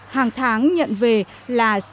hàng tháng nhận về là